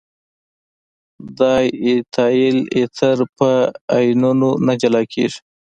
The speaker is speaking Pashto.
دای ایتایل ایتر په آیونونو نه جلا کیږي.